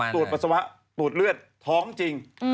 ตรวจปัสสาวะตรวจเลือดท้องจริง